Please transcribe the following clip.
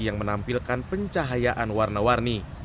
yang menampilkan pencahayaan warna warni